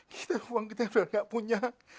kita uang kita udah gak punya